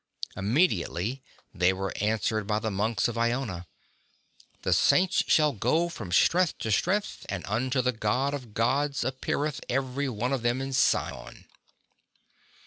Immediately they were answered by the monks of Iona : "The saints shall go from strength to strength, and unto the God of Gods appeareth every one of them in Sion."